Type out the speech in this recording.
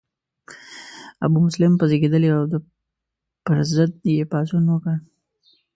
ابومسلم په زیږیدلی او د پر ضد یې پاڅون وکړ.